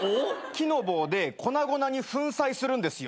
木の棒で粉々に粉砕するんですよ。